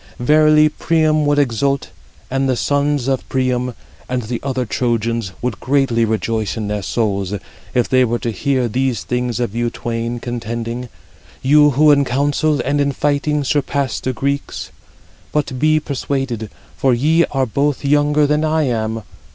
Verily, Priam would exult, and the sons of Priam, and the other Trojans, would greatly rejoice in their souls, if they were to hear these things of you twain contending: you who in council and in fighting surpass the Greeks. But be persuaded; for ye are both younger than I am.